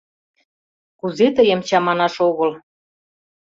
Кузе тыйым чаманаш огыл...